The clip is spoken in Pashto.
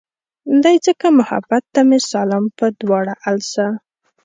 دے ځکه محبت ته مې سالم پۀ دواړه السه